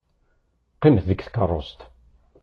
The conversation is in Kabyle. Qqimet deg tkeṛṛust.